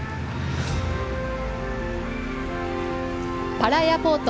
パラ・エアポート